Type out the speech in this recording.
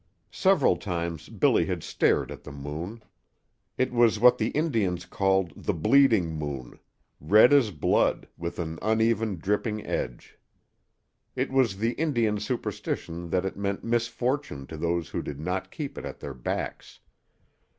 Several times Billy had stared at the moon. It was what the Indians called "the bleeding moon" red as blood, with an uneven, dripping edge. It was the Indian superstition that it meant misfortune to those who did not keep it at their backs.